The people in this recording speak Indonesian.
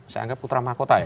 saya anggap putra mahkota ya